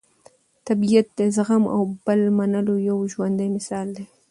طبیعت د زغم او بل منلو یو ژوندی مثال دی.